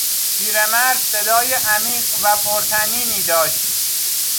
پیرمرد صدای عمیق و پرطنینی داشت.